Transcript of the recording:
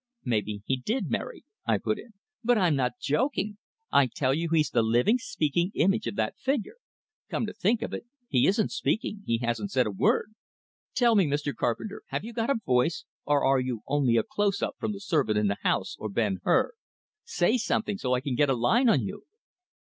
"Maybe he did, Mary," I put in. "But I'm not joking! I tell you he's the living, speaking image of that figure. Come to think of it, he isn't speaking, he hasn't said a word! Tell me, Mr. Carpenter, have you got a voice, or are you only a close up from 'The Servant in the House' or 'Ben Hur'? Say something, so I can get a line on you!"